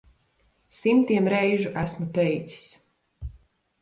Simtiem reižu esmu teicis.